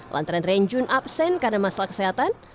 lantaran renjun absen karena masalah kesehatan